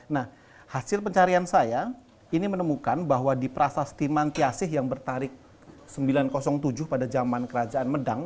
nah hasil pencarian saya ini menemukan bahwa di prasasti mantiasih yang bertarik sembilan ratus tujuh pada zaman kerajaan medang